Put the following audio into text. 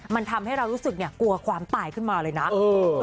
มันทำให้เรารู้สึกเนี่ยกลัวความตายขึ้นมาเลยนะ